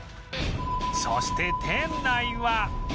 そして店内は